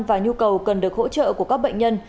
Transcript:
và nhu cầu cần được hỗ trợ của các bệnh nhân